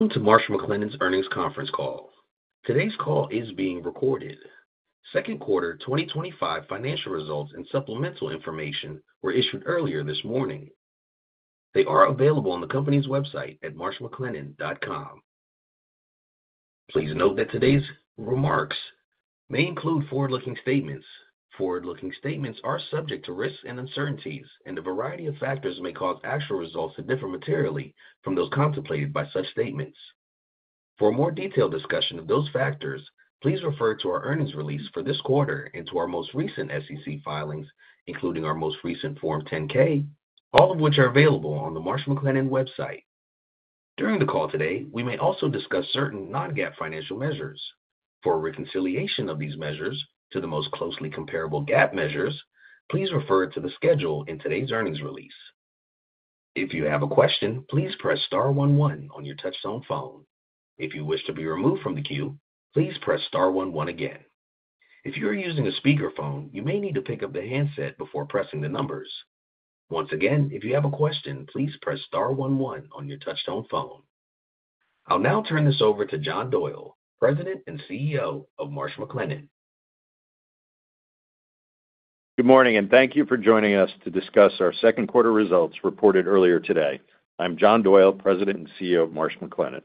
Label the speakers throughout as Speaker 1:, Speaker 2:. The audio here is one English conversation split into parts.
Speaker 1: Welcome to Marsh McLennan's earnings conference call. Today's call is being recorded. Second quarter 2025 financial results and supplemental information were issued earlier this morning. They are available on the company's website at marshmcclennan.com. Please note that today's remarks may include forward-looking statements. Forward-looking statements are subject to risks and uncertainties, and a variety of factors may cause actual results to differ materially from those contemplated by such statements. For a more detailed discussion of those factors, please refer to our earnings release for this quarter and to our most recent SEC filings, including our most recent Form 10-K, all of which are available on the Marsh McLennan website. During the call today, we may also discuss certain non-GAAP financial measures. For a reconciliation of these measures to the most closely comparable GAAP measures, please refer to the schedule in today's earnings release. If you have a question, please press star one one on your touch-tone phone. If you wish to be removed from the queue, please press star one one again. If you are using a speakerphone, you may need to pick up the handset before pressing the numbers. Once again, if you have a question, please press star 11 on your touch-tone phone. I'll now turn this over to John Doyle, President and CEO of Marsh McLennan.
Speaker 2: Good morning, and thank you for joining us to discuss our second quarter results reported earlier today. I'm John Doyle, President and CEO of Marsh McLennan.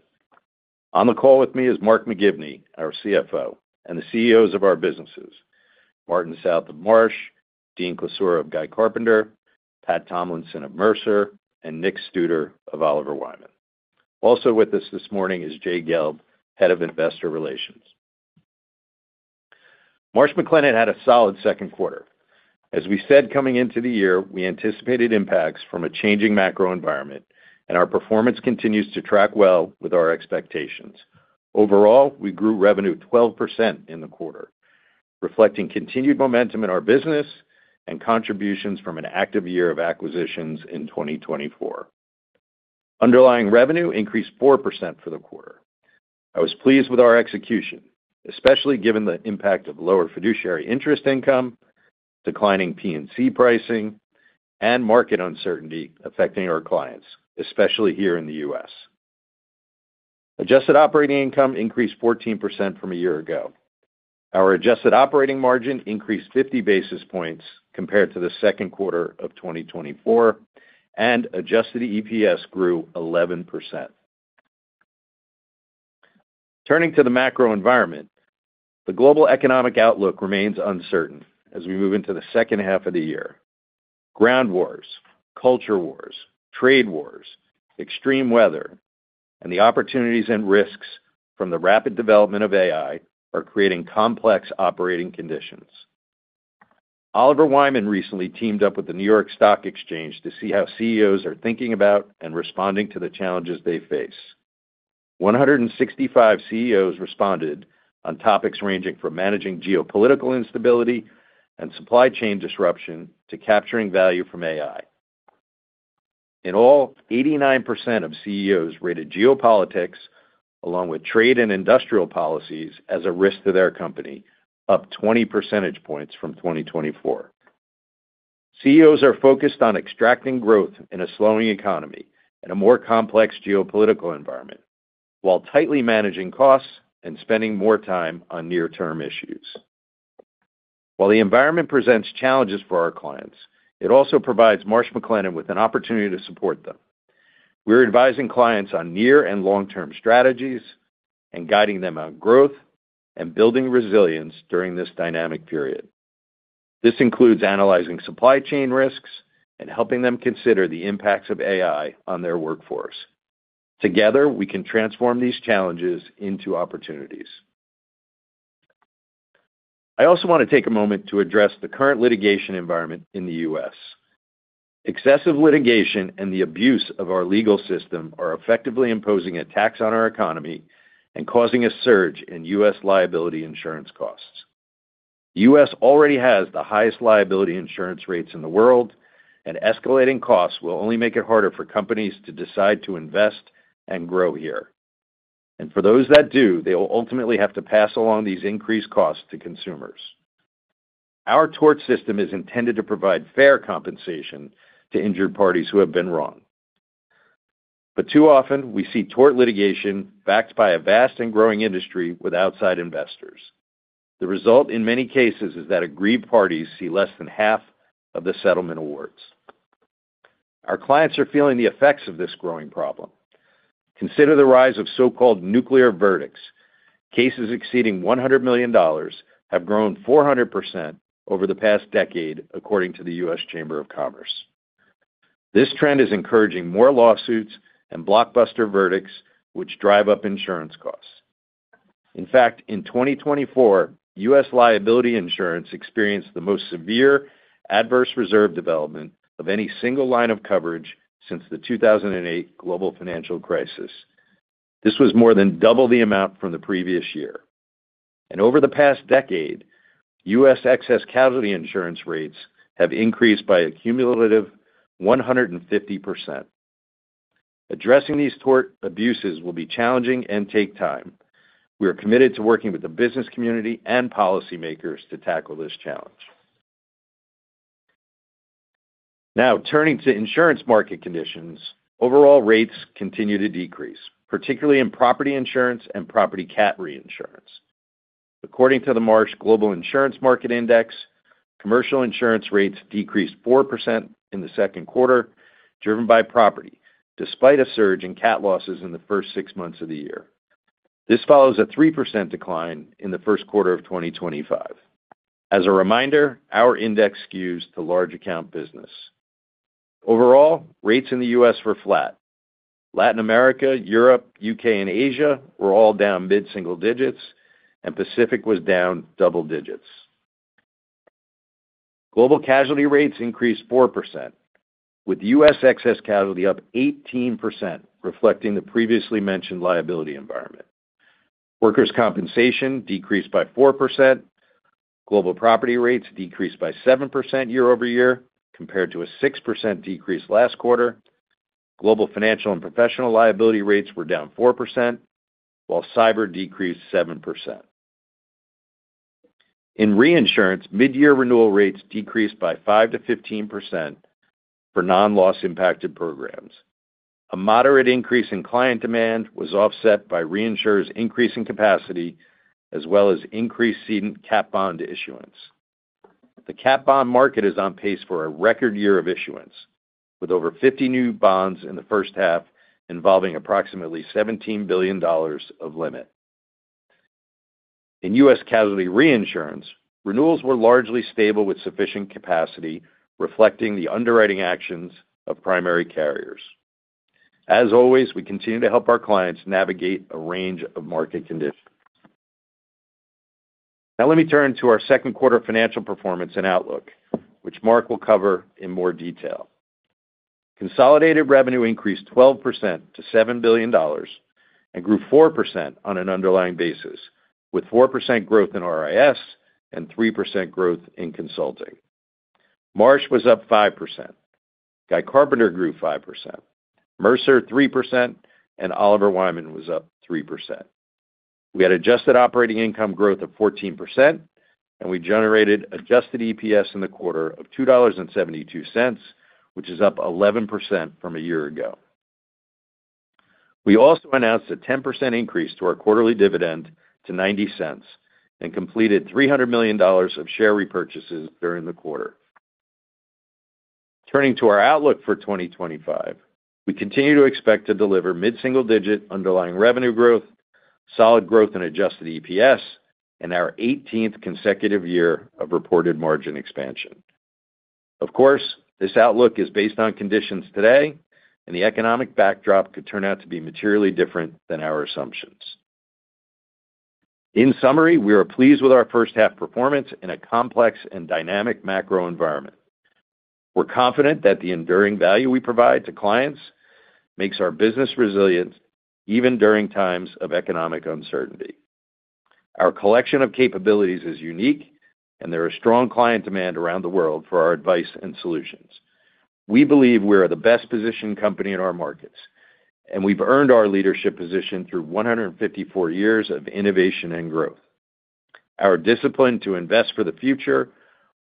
Speaker 2: On the call with me is Mark McGivney, our CFO, and the CEOs of our businesses: Martin South of Marsh, Dean Klisura of Guy Carpenter, Pat Tomlinson of Mercer, and Nick Studer of Oliver Wyman. Also with us this morning is Jay Gelb, Head of Investor Relations. Marsh McLennan had a solid second quarter. As we said coming into the year, we anticipated impacts from a changing macro environment, and our performance continues to track well with our expectations. Overall, we grew revenue 12% in the quarter, reflecting continued momentum in our business and contributions from an active year of acquisitions in 2024. Underlying revenue increased 4% for the quarter. I was pleased with our execution, especially given the impact of lower fiduciary interest income, declining P&C pricing, and market uncertainty affecting our clients, especially here in the U.S. Adjusted operating income increased 14% from a year ago. Our adjusted operating margin increased 50 basis points compared to the second quarter of 2024, and adjusted EPS grew 11%. Turning to the macro environment, the global economic outlook remains uncertain as we move into the second half of the year. Ground wars, culture wars, trade wars, extreme weather, and the opportunities and risks from the rapid development of AI are creating complex operating conditions. Oliver Wyman recently teamed up with the New York Stock Exchange to see how CEOs are thinking about and responding to the challenges they face. 165 CEOs responded on topics ranging from managing geopolitical instability and supply chain disruption to capturing value from AI. In all, 89% of CEOs rated geopolitics, along with trade and industrial policies, as a risk to their company, up 20 percentage points from 2024. CEOs are focused on extracting growth in a slowing economy and a more complex geopolitical environment, while tightly managing costs and spending more time on near-term issues. While the environment presents challenges for our clients, it also provides Marsh McLennan with an opportunity to support them. We're advising clients on near and long-term strategies and guiding them on growth and building resilience during this dynamic period. This includes analyzing supply chain risks and helping them consider the impacts of AI on their workforce. Together, we can transform these challenges into opportunities. I also want to take a moment to address the current litigation environment in the U.S. Excessive litigation and the abuse of our legal system are effectively imposing a tax on our economy and causing a surge in U.S. liability insurance costs. The U.S. already has the highest liability insurance rates in the world, and escalating costs will only make it harder for companies to decide to invest and grow here. And for those that do, they will ultimately have to pass along these increased costs to consumers. Our tort system is intended to provide fair compensation to injured parties who have been wronged. But too often, we see tort litigation backed by a vast and growing industry with outside investors. The result in many cases is that aggrieved parties see less than half of the settlement awards. Our clients are feeling the effects of this growing problem. Consider the rise of so-called nuclear verdicts. Cases exceeding $100 million have grown 400% over the past decade, according to the U.S. Chamber of Commerce. This trend is encouraging more lawsuits and blockbuster verdicts, which drive up insurance costs. In fact, in 2024, U.S. liability insurance experienced the most severe adverse reserve development of any single line of coverage since the 2008 global financial crisis. This was more than double the amount from the previous year, and over the past decade, U.S. excess casualty insurance rates have increased by a cumulative 150%. Addressing these tort abuses will be challenging and take time. We are committed to working with the business community and policymakers to tackle this challenge. Now, turning to insurance market conditions, overall rates continue to decrease, particularly in property insurance and property CAT reinsurance. According to the Marsh Global Insurance Market Index, commercial insurance rates decreased 4% in the second quarter, driven by property, despite a surge in CAT losses in the first six months of the year. This follows a 3% decline in the first quarter of 2025. As a reminder, our index skews the large account business. Overall, rates in the U.S. were flat. Latin America, Europe, U.K., and Asia were all down mid-single digits, and Pacific was down double digits. Global casualty rates increased 4%, with U.S. excess casualty up 18%, reflecting the previously mentioned liability environment. Workers' compensation decreased by 4%. Global property rates decreased by 7% year-over-year, compared to a 6% decrease last quarter. Global financial and professional liability rates were down 4%. While cyber decreased 7%. In reinsurance, mid-year renewal rates decreased by 5%-15%. For non-loss impacted programs. A moderate increase in client demand was offset by reinsurers' increase in capacity, as well as increased CAT bond issuance. The CAT bond market is on pace for a record year of issuance, with over 50 new bonds in the first half involving approximately $17 billion of limit. In U.S. casualty reinsurance, renewals were largely stable with sufficient capacity, reflecting the underwriting actions of primary carriers. As always, we continue to help our clients navigate a range of market conditions. Now let me turn to our second quarter financial performance and outlook, which Mark will cover in more detail. Consolidated revenue increased 12% to $7 billion and grew 4% on an underlying basis, with 4% growth in RIS and 3% growth in consulting. Marsh was up 5%. Guy Carpenter grew 5%. Mercer 3%, and Oliver Wyman was up 3%. We had adjusted operating income growth of 14%, and we generated adjusted EPS in the quarter of $2.72. Which is up 11% from a year ago. We also announced a 10% increase to our quarterly dividend to $0.90 and completed $300 million of share repurchases during the quarter. Turning to our outlook for 2025, we continue to expect to deliver mid-single digit underlying revenue growth, solid growth in adjusted EPS, and our 18th consecutive year of reported margin expansion. Of course, this outlook is based on conditions today, and the economic backdrop could turn out to be materially different than our assumptions. In summary, we are pleased with our first half performance in a complex and dynamic macro environment. We're confident that the enduring value we provide to clients makes our business resilient even during times of economic uncertainty. Our collection of capabilities is unique, and there is strong client demand around the world for our advice and solutions. We believe we are the best-positioned company in our markets, and we've earned our leadership position through 154 years of innovation and growth. Our discipline to invest for the future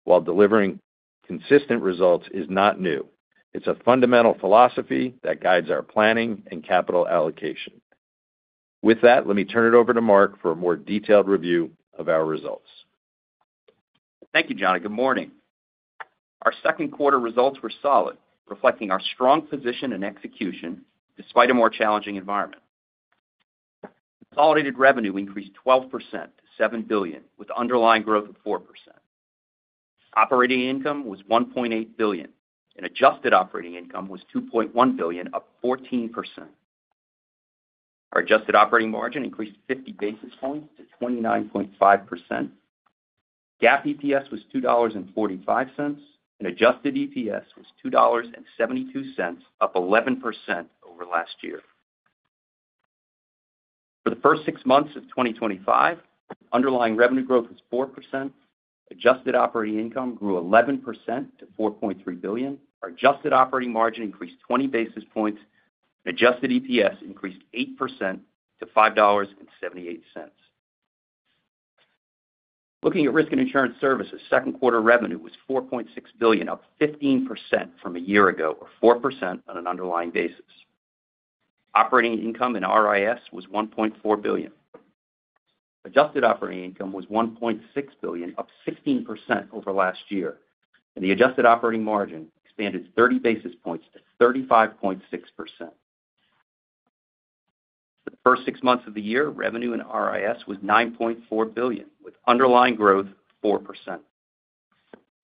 Speaker 2: while delivering consistent results is not new. It's a fundamental philosophy that guides our planning and capital allocation. With that, let me turn it over to Mark for a more detailed review of our results.
Speaker 3: Thank you, John. Good morning. Our second quarter results were solid, reflecting our strong position and execution despite a more challenging environment. Consolidated revenue increased 12% to $7 billion, with underlying growth of 4%. Operating income was $1.8 billion, and adjusted operating income was $2.1 billion, up 14%. Our adjusted operating margin increased 50 basis points to 29.5%. GAAP EPS was $2.45, and adjusted EPS was $2.72, up 11% over last year. For the first six months of 2025, underlying revenue growth was 4%. Adjusted operating income grew 11% to $4.3 billion. Our adjusted operating margin increased 20 basis points, and adjusted EPS increased 8% to $5.78. Looking at risk and insurance services, second quarter revenue was $4.6 billion, up 15% from a year ago, or 4% on an underlying basis. Operating income in RIS was $1.4 billion. Adjusted operating income was $1.6 billion, up 16% over last year, and the adjusted operating margin expanded 30 basis points to 35.6%. For the first six months of the year, revenue in RIS was $9.4 billion, with underlying growth of 4%.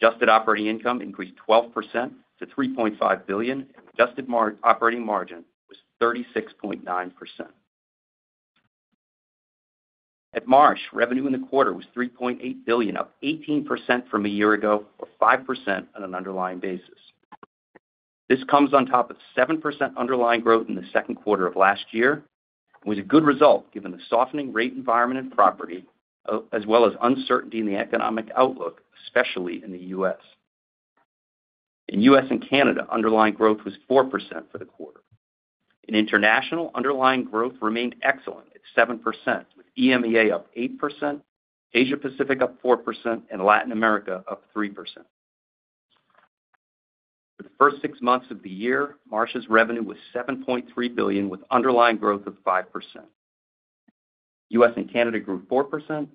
Speaker 3: Adjusted operating income increased 12% to $3.5 billion, and adjusted operating margin was 36.9%. At Marsh, revenue in the quarter was $3.8 billion, up 18% from a year ago, or 5% on an underlying basis. This comes on top of 7% underlying growth in the second quarter of last year, which is a good result given the softening rate environment in property, as well as uncertainty in the economic outlook, especially in the U.S. In the U.S. and Canada, underlying growth was 4% for the quarter. In international, underlying growth remained excellent at 7%, with EMEA up 8%, Asia-Pacific up 4%, and Latin America up 3%. For the first six months of the year, Marsh's revenue was $7.3 billion, with underlying growth of 5%. U.S. and Canada grew 4%, and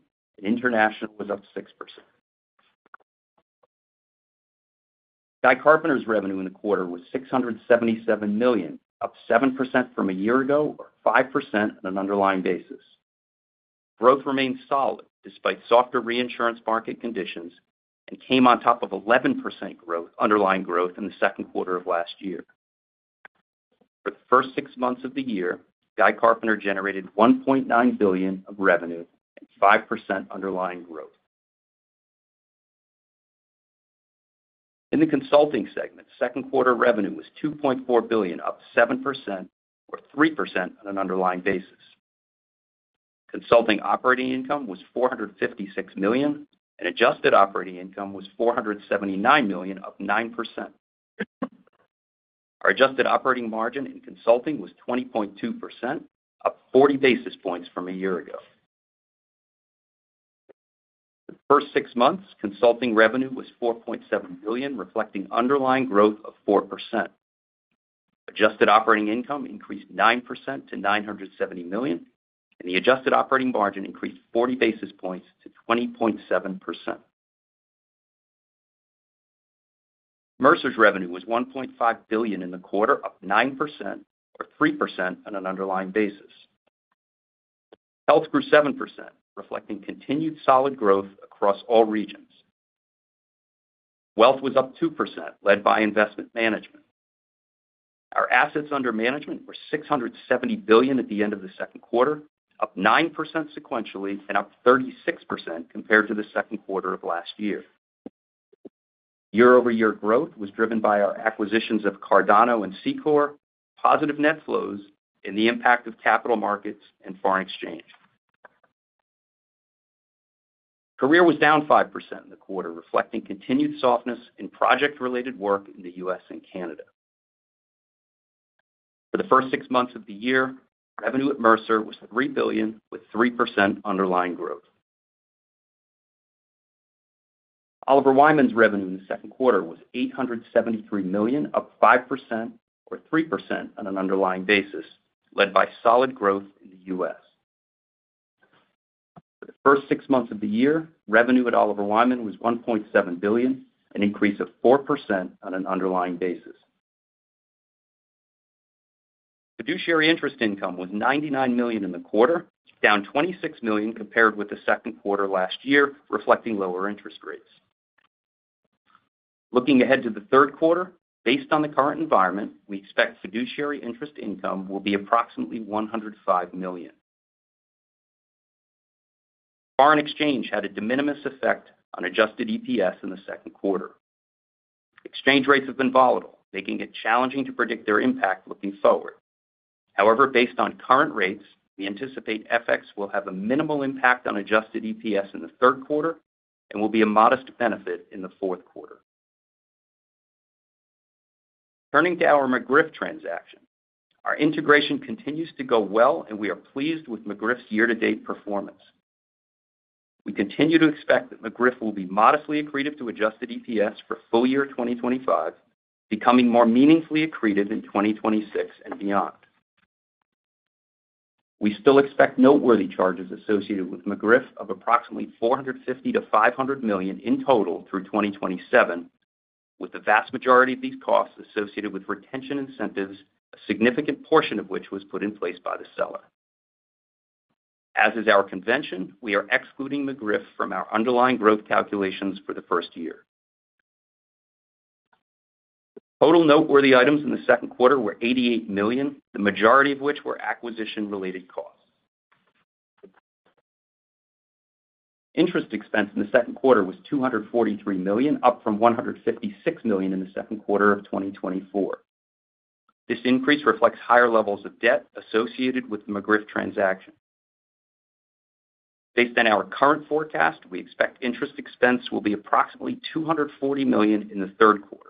Speaker 3: international was up 6%. Guy Carpenter's revenue in the quarter was $677 million, up 7% from a year ago, or 5% on an underlying basis. Growth remained solid despite softer reinsurance market conditions and came on top of 11% underlying growth in the second quarter of last year. For the first six months of the year, Guy Carpenter generated $1.9 billion of revenue and 5% underlying growth. In the consulting segment, second quarter revenue was $2.4 billion, up 7%, or 3% on an underlying basis. Consulting operating income was $456 million, and adjusted operating income was $479 million, up 9%. Our adjusted operating margin in consulting was 20.2%, up 40 basis points from a year ago. The first six months, consulting revenue was $4.7 billion, reflecting underlying growth of 4%. Adjusted operating income increased 9% to $970 million, and the adjusted operating margin increased 40 basis points to 20.7%. Mercer's revenue was $1.5 billion in the quarter, up 9%, or 3% on an underlying basis. Health grew 7%, reflecting continued solid growth across all regions. Wealth was up 2%, led by investment management. Our assets under management were $670 billion at the end of the second quarter, up 9% sequentially and up 36% compared to the second quarter of last year. Year-over-year growth was driven by our acquisitions of Cardano and C Corp, positive net flows, and the impact of capital markets and foreign exchange. Career was down 5% in the quarter, reflecting continued softness in project-related work in the U.S. and Canada. For the first six months of the year, revenue at Mercer was $3 billion, with 3% underlying growth. Oliver Wyman's revenue in the second quarter was $873 million, up 5%, or 3% on an underlying basis, led by solid growth in the U.S. For the first six months of the year, revenue at Oliver Wyman was $1.7 billion, an increase of 4% on an underlying basis. Fiduciary interest income was $99 million in the quarter, down $26 million compared with the second quarter last year, reflecting lower interest rates. Looking ahead to the third quarter, based on the current environment, we expect fiduciary interest income will be approximately $105 million. Foreign exchange had a de minimis effect on adjusted EPS in the second quarter. Exchange rates have been volatile, making it challenging to predict their impact looking forward. However, based on current rates, we anticipate FX will have a minimal impact on adjusted EPS in the third quarter and will be a modest benefit in the fourth quarter. Turning to our McGriff transaction, our integration continues to go well, and we are pleased with McGriff's year-to-date performance. We continue to expect that McGriff will be modestly accretive to adjusted EPS for full year 2025, becoming more meaningfully accretive in 2026 and beyond. We still expect noteworthy charges associated with McGriff of approximately $450-$500 million in total through 2027, with the vast majority of these costs associated with retention incentives, a significant portion of which was put in place by the seller. As is our convention, we are excluding McGriff from our underlying growth calculations for the first year. Total noteworthy items in the second quarter were $88 million, the majority of which were acquisition-related costs. Interest expense in the second quarter was $243 million, up from $156 million in the second quarter of 2024. This increase reflects higher levels of debt associated with the McGriff transaction. Based on our current forecast, we expect interest expense will be approximately $240 million in the third quarter.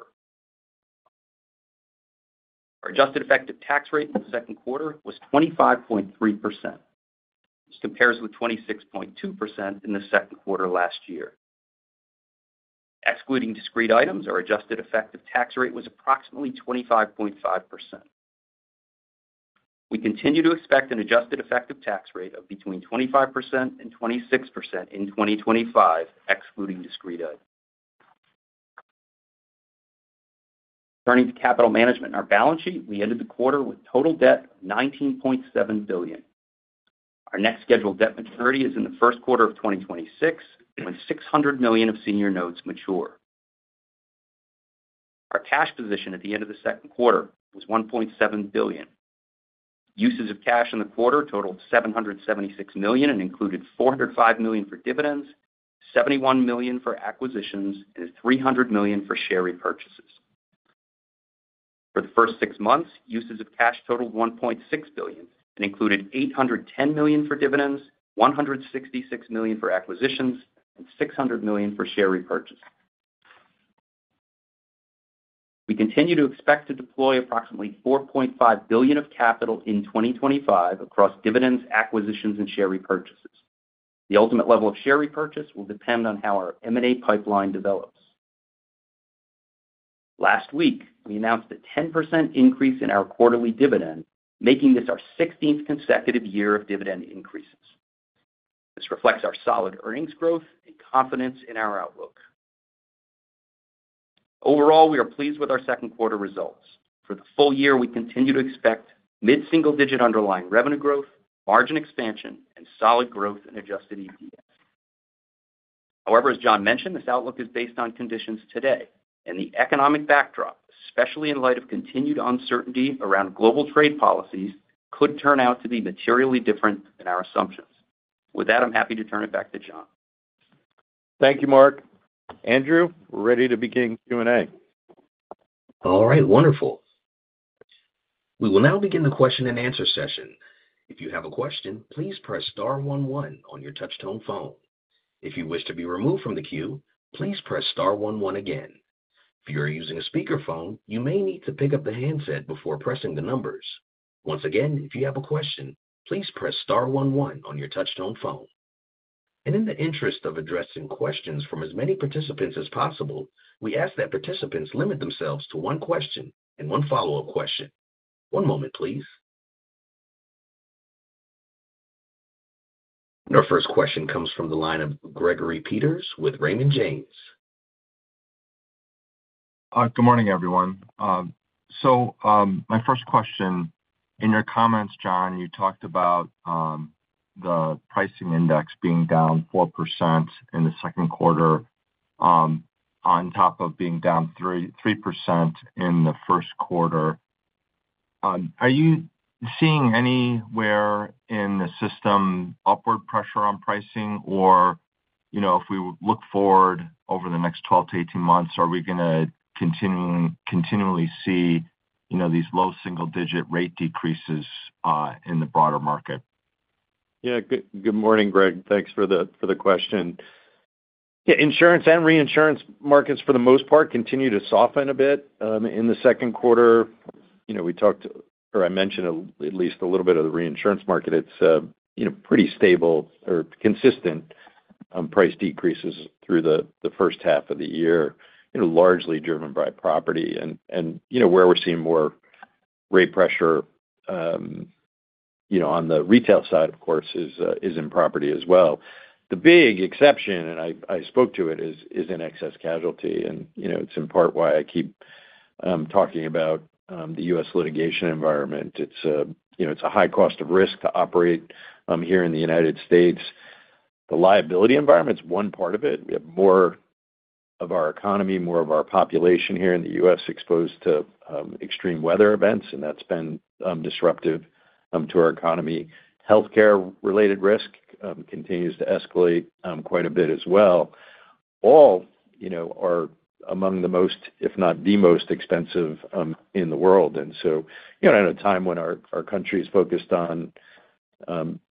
Speaker 3: Our adjusted effective tax rate in the second quarter was 25.3%. This compares with 26.2% in the second quarter last year. Excluding discrete items, our adjusted effective tax rate was approximately 25.5%. We continue to expect an adjusted effective tax rate of between 25% and 26% in 2025, excluding discrete items. Turning to capital management in our balance sheet, we ended the quarter with total debt of $19.7 billion. Our next scheduled debt maturity is in the first quarter of 2026, when $600 million of senior notes mature. Our cash position at the end of the second quarter was $1.7 billion. Uses of cash in the quarter totaled $776 million and included $405 million for dividends, $71 million for acquisitions, and $300 million for share repurchases. For the first six months, uses of cash totaled $1.6 billion and included $810 million for dividends, $166 million for acquisitions, and $600 million for share repurchases. We continue to expect to deploy approximately $4.5 billion of capital in 2025 across dividends, acquisitions, and share repurchases. The ultimate level of share repurchase will depend on how our M&A pipeline develops. Last week, we announced a 10% increase in our quarterly dividend, making this our 16th consecutive year of dividend increases. This reflects our solid earnings growth and confidence in our outlook. Overall, we are pleased with our second quarter results. For the full year, we continue to expect mid-single digit underlying revenue growth, margin expansion, and solid growth in adjusted EPS. However, as John mentioned, this outlook is based on conditions today, and the economic backdrop, especially in light of continued uncertainty around global trade policies, could turn out to be materially different than our assumptions. With that, I'm happy to turn it back to John.
Speaker 2: Thank you, Mark. Andrew, we're ready to begin Q&A.
Speaker 1: All right, wonderful. We will now begin the question and answer session. If you have a question, please press star one one on your touch-tone phone. If you wish to be removed from the queue, please press star one one again. If you are using a speakerphone, you may need to pick up the handset before pressing the numbers. Once again, if you have a question, please press star one one on your touch-tone phone. And in the interest of addressing questions from as many participants as possible, we ask that participants limit themselves to one question and one follow-up question. One moment, please. And our first question comes from the line of Gregory Peters with Raymond James.
Speaker 4: Good morning, everyone. So my first question, in your comments, John, you talked about the pricing index being down 4% in the second quarter on top of being down 3% in the first quarter. Are you seeing anywhere in the system upward pressure on pricing? Or if we look forward over the next 12-18 months, are we going to continually see these low single-digit rate decreases in the broader market?
Speaker 2: Yeah, good morning, Greg. Thanks for the question. Yeah, insurance and reinsurance markets, for the most part, continue to soften a bit in the second quarter. We talked, or I mentioned at least a little bit of the reinsurance market. It's pretty stable or consistent price decreases through the first half of the year, largely driven by property. And where we're seeing more rate pressure on the retail side, of course, is in property as well. The big exception, and I spoke to it, is in excess casualty, and it's in part why I keep talking about the U.S. litigation environment. It's a high cost of risk to operate here in the United States. The liability environment is one part of it. We have more of our economy, more of our population here in the U.S. exposed to extreme weather events, and that's been disruptive to our economy. Healthcare-related risk continues to escalate quite a bit as well. All are among the most, if not the most, expensive in the world. And so at a time when our country is focused on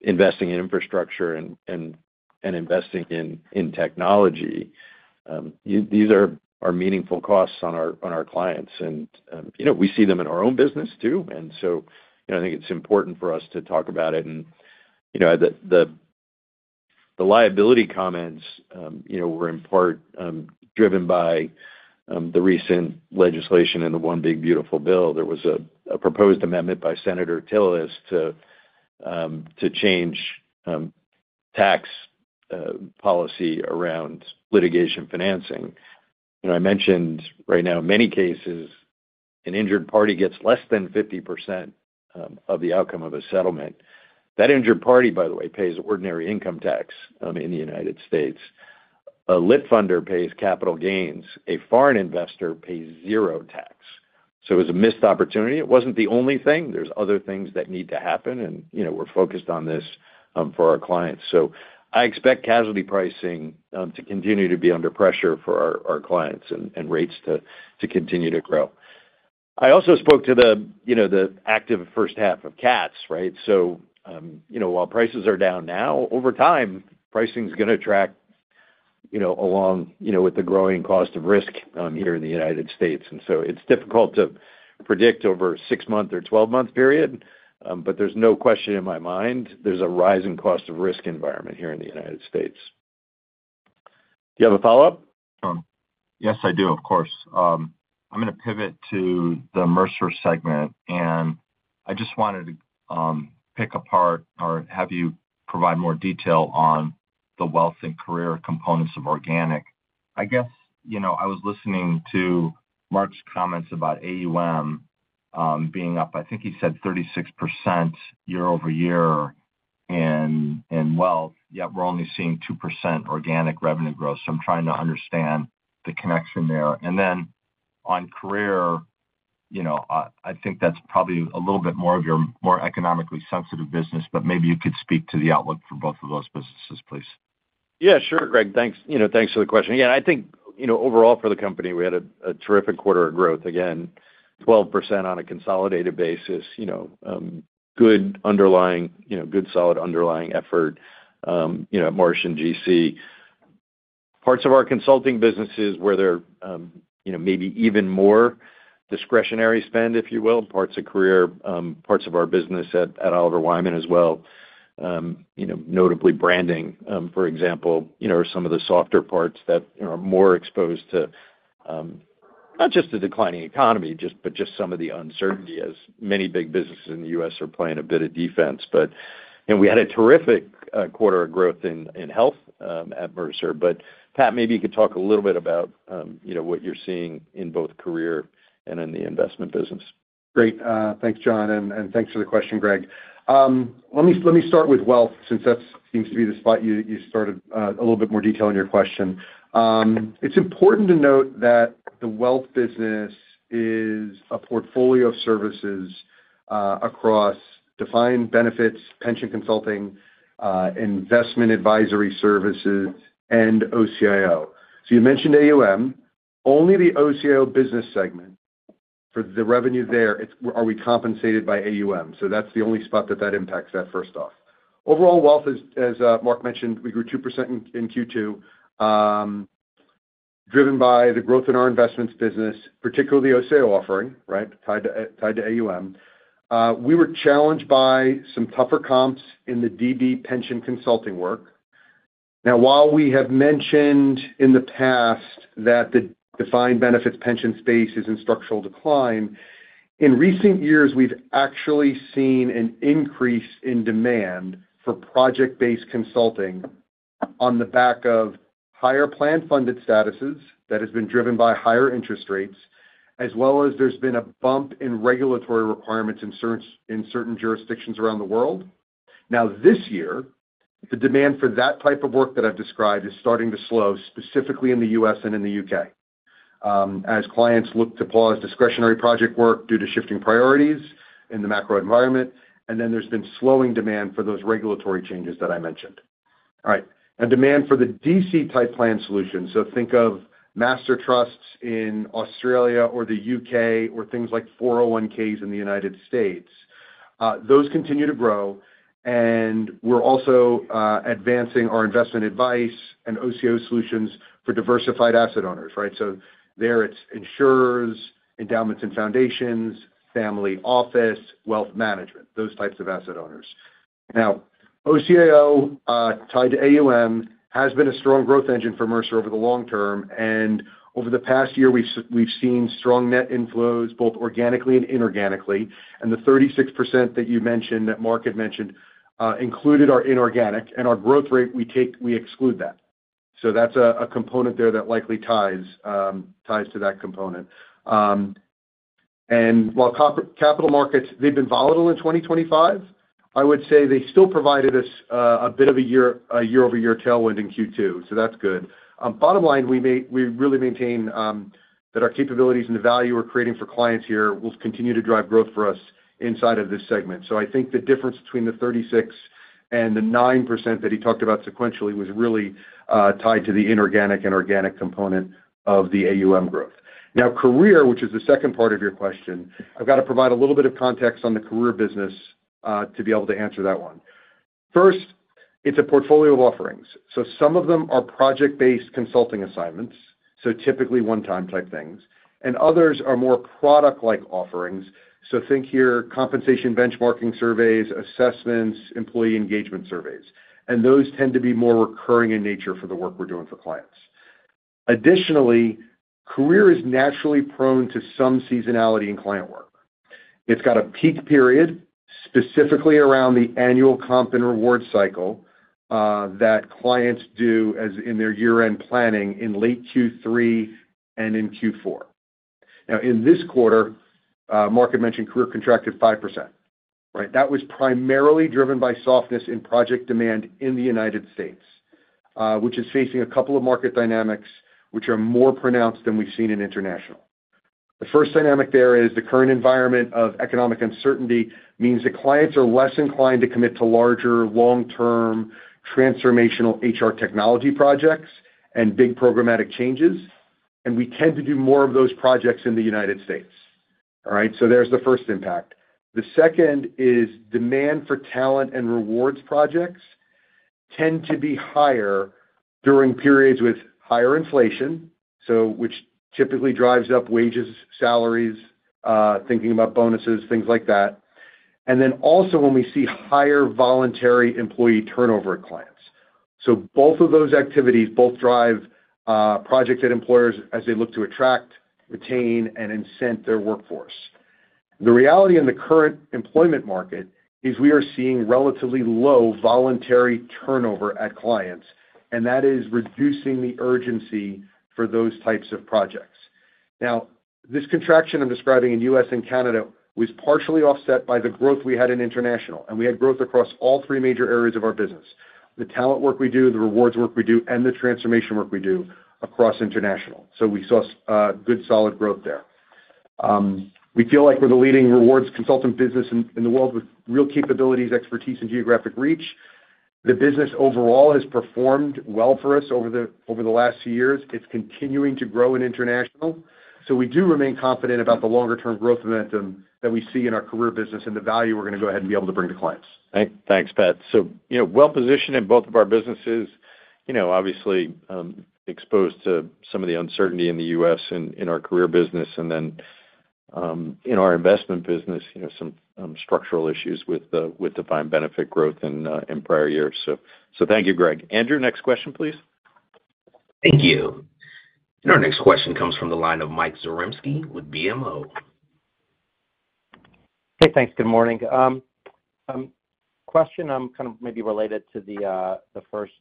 Speaker 2: investing in infrastructure and investing in technology, these are meaningful costs on our clients, and we see them in our own business, too, and so I think it's important for us to talk about it, and the liability comments were in part driven by the recent legislation and the One Big Beautiful Bill. There was a proposed amendment by Senator Tillis to change tax policy around litigation financing. I mentioned right now, in many cases, an injured party gets less than 50% of the outcome of a settlement. That injured party, by the way, pays ordinary income tax in the United States. A lit funder pays capital gains. A foreign investor pays zero tax. So it was a missed opportunity. It wasn't the only thing. There's other things that need to happen, and we're focused on this for our clients, so I expect casualty pricing to continue to be under pressure for our clients and rates to continue to grow. I also spoke to the active first half of CATs, right? So while prices are down now, over time, pricing is going to track along with the growing cost of risk here in the United States, and so it's difficult to predict over a six-month or 12-month period, but there's no question in my mind there's a rising cost of risk environment here in the United States. Do you have a follow-up?
Speaker 4: Yes, I do, of course. I'm going to pivot to the Mercer segment, and I just wanted to pick apart or have you provide more detail on the wealth and career components of organic. I guess I was listening to Mark's comments about AUM being up, I think he said 36% year over year in wealth, yet we're only seeing 2% organic revenue growth. So I'm trying to understand the connection there. And then on career, I think that's probably a little bit more of your more economically sensitive business, but maybe you could speak to the outlook for both of those businesses, please.
Speaker 2: Yeah, sure, Greg. Thanks for the question. Yeah, I think overall for the company, we had a terrific quarter of growth. Again, 12% on a consolidated basis. Good solid underlying effort. Marsh and GC. Parts of our consulting businesses where there may be even more discretionary spend, if you will, parts of career, parts of our business at Oliver Wyman as well. Notably branding, for example, or some of the softer parts that are more exposed to. Not just a declining economy, but just some of the uncertainty, as many big businesses in the U.S. are playing a bit of defense. But we had a terrific quarter of growth in health at Mercer. But Pat, maybe you could talk a little bit about what you're seeing in both career and in the investment business.
Speaker 5: Great. Thanks, John, and thanks for the question, Greg. Let me start with wealth, since that seems to be the spot you started a little bit more detail in your question. It's important to note that the wealth business is a portfolio of services across defined benefits, pension consulting, investment advisory services, and OCIO. So you mentioned AUM. Only the OCIO business segment for the revenue there, are we compensated by AUM? So that's the only spot that that impacts that, first off. Overall wealth, as Mark mentioned, we grew 2% in Q2. Driven by the growth in our investments business, particularly the OCIO offering, right, tied to AUM. We were challenged by some tougher comps in the DB pension consulting work. Now, while we have mentioned in the past that the defined benefits pension space is in structural decline, in recent years, we've actually seen an increase in demand for project-based consulting on the back of higher planned funded statuses that has been driven by higher interest rates, as well as there's been a bump in regulatory requirements in certain jurisdictions around the world. Now, this year, the demand for that type of work that I've described is starting to slow, specifically in the U.S. and in the U.K. As clients look to pause discretionary project work due to shifting priorities in the macro environment, and then there's been slowing demand for those regulatory changes that I mentioned. All right, and demand for the DC type plan solutions, so think of master trusts in Australia or the U.K. or things like 401(k)s in the United States, those continue to grow. And we're also advancing our investment advice and OCIO solutions for diversified asset owners, right? So there, it's insurers, endowments and foundations, family office, wealth management, those types of asset owners. Now, OCIO tied to AUM has been a strong growth engine for Mercer over the long term. And over the past year, we've seen strong net inflows, both organically and inorganically. And the 36% that you mentioned that Mark had mentioned included our inorganic. And our growth rate, we exclude that. So that's a component there that likely ties to that component. And while capital markets, they've been volatile in 2025, I would say they still provided us a bit of a year-over-year tailwind in Q2. So that's good. Bottom line, we really maintain that our capabilities and the value we're creating for clients here will continue to drive growth for us inside of this segment. So I think the difference between the 36% and the 9% that he talked about sequentially was really tied to the inorganic and organic component of the AUM growth. Now, career, which is the second part of your question, I've got to provide a little bit of context on the career business to be able to answer that one. First, it's a portfolio of offerings. So some of them are project-based consulting assignments, so typically one-time type things. And others are more product-like offerings. So think here compensation benchmarking surveys, assessments, employee engagement surveys. And those tend to be more recurring in nature for the work we're doing for clients. Additionally, career is naturally prone to some seasonality in client work. It's got a peak period. Specifically around the annual comp and reward cycle. That clients do as in their year-end planning in late Q3 and in Q4. Now, in this quarter, Mark had mentioned career contracted 5%, right? That was primarily driven by softness in project demand in the United States, which is facing a couple of market dynamics which are more pronounced than we've seen in international. The first dynamic there is the current environment of economic uncertainty means that clients are less inclined to commit to larger, long-term transformational HR technology projects and big programmatic changes. And we tend to do more of those projects in the United States. All right? So there's the first impact. The second is demand for talent and rewards projects. Tend to be higher during periods with higher inflation, which typically drives up wages, salaries, thinking about bonuses, things like that. And then also when we see higher voluntary employee turnover at clients. So both of those activities drive projects at employers as they look to attract, retain, and incent their workforce. The reality in the current employment market is we are seeing relatively low voluntary turnover at clients. And that is reducing the urgency for those types of projects. Now, this contraction I'm describing in U.S. and Canada was partially offset by the growth we had in international. And we had growth across all three major areas of our business: the talent work we do, the rewards work we do, and the transformation work we do across international. So we saw good solid growth there. We feel like we're the leading rewards consultant business in the world with real capabilities, expertise, and geographic reach. The business overall has performed well for us over the last few years. It's continuing to grow in international. So we do remain confident about the longer-term growth momentum that we see in our career business and the value we're going to go ahead and be able to bring to clients.
Speaker 2: Thanks, Pat. So well-positioned in both of our businesses, obviously. Exposed to some of the uncertainty in the U.S. and in our career business, and then in our investment business, some structural issues with defined benefit growth in prior years. So thank you, Greg. Andrew, next question, please.
Speaker 1: Thank you. Our next question comes from the line of Mike Zaremski with BMO.
Speaker 6: Hey, thanks. Good morning. Question kind of maybe related to the first.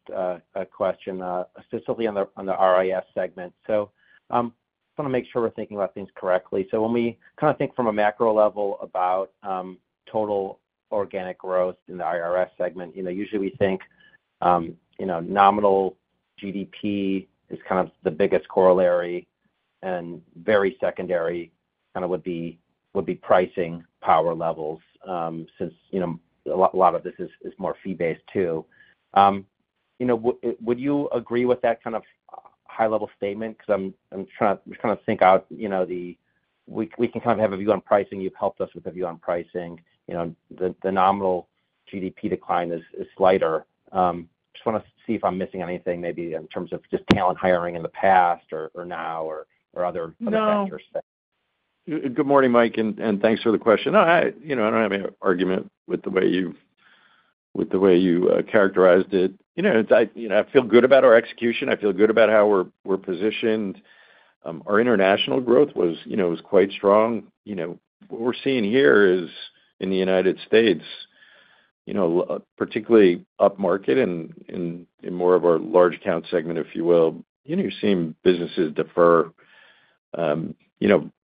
Speaker 6: Question, specifically on the RIS segment. So. I want to make sure we're thinking about things correctly. So when we kind of think from a macro level about. Total organic growth in the RIS segment, usually we think. Nominal GDP is kind of the biggest corollary and very secondary kind of would be pricing power levels since. A lot of this is more fee-based, too. Would you agree with that kind of high-level statement? Because I'm trying to think out. We can kind of have a view on pricing. You've helped us with a view on pricing. The nominal GDP decline is slighter. Just want to see if I'm missing anything, maybe in terms of just talent hiring in the past or now or other factors.
Speaker 2: Good morning, Mike, and thanks for the question. I don't have any argument with the way you characterized it. I feel good about our execution. I feel good about how we're positioned. Our international growth was quite strong. What we're seeing here is in the United States, particularly upmarket and in more of our large account segment, if you will, you're seeing businesses defer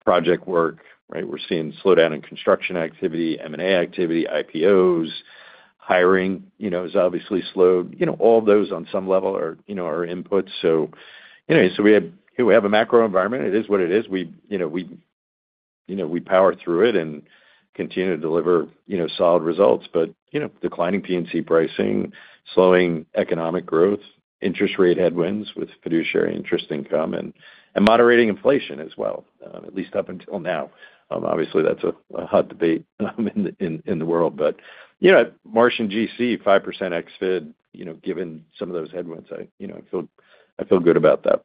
Speaker 2: project work, right? We're seeing slowdown in construction activity, M&A activity, IPOs. Hiring is obviously slowed. All of those on some level are inputs. So, we have a macro environment. It is what it is. We power through it and continue to deliver solid results. But declining P&C pricing, slowing economic growth, interest rate headwinds with fiduciary interest income, and moderating inflation as well, at least up until now. Obviously, that's a hot debate in the world. But Marsh and GC, 5% ex-fit, given some of those headwinds, I feel good about that.